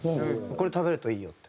これ食べるといいよって。